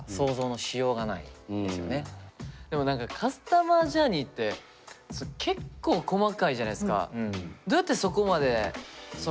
ここのでも何かカスタマージャーニーって結構細かいじゃないですか。